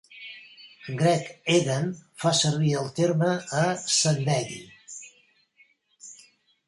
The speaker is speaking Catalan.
Greg Egan fa servir el terme a "Zendegi".